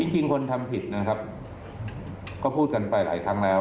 จริงคนทำผิดนะครับก็พูดกันไปหลายครั้งแล้ว